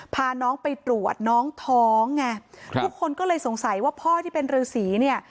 พาน้องไปตรวจน้องท้องไงครับทุกคนก็เลยสงสัยว่าพ่อที่เป็นฤษีเนี่ย